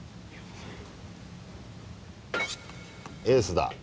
エースだ。